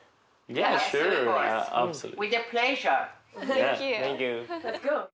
サンキュー。